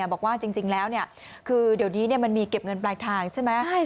บอกว่าจริงแล้วคือเดี๋ยวนี้มันมีเก็บเงินปลายทางใช่ไหม